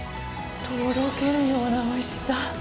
とろけるようなおいしさ。